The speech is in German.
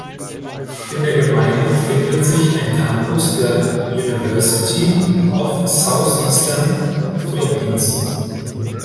In der Gemeinde befindet sich ein Campus der University of Southeastern Philippines.